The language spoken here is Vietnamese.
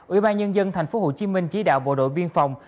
ubnd tp hcm chỉ đạo bộ đội biên phòng